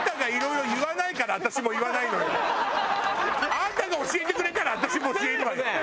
あんたが教えてくれたら私も教えるわよ。